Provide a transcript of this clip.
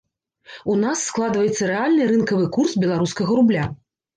У нас складваецца рэальны рынкавы курс беларускага рубля.